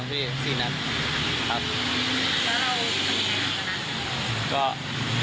แล้วเรากำลังถามว่าพี่ไหนอีกนัด